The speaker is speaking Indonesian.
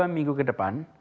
dua minggu ke depan